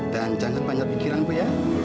dan jangan banyak pikiran bu ya